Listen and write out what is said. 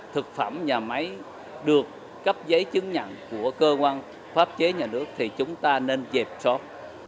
thực phẩm nhà máy được cấp giấy chứng nhận của cơ quan pháp chế nhà nước thì chúng ta nên dẹp sót